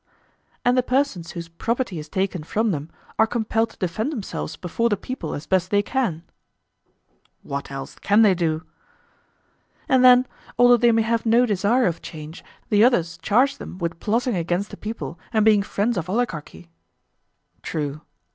And the persons whose property is taken from them are compelled to defend themselves before the people as they best can? What else can they do? And then, although they may have no desire of change, the others charge them with plotting against the people and being friends of oligarchy? True.